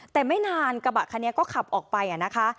แต่ไม่นานกระบะคันนี้ก็ขับออกไปนะคะ